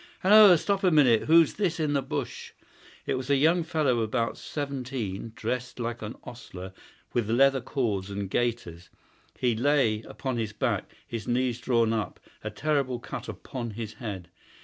"Halloa! Stop a minute! Who's this in the bush?" It was a young fellow about seventeen, dressed like an ostler, with leather cords and gaiters. He lay upon his back, his knees drawn up, a terrible cut upon his head.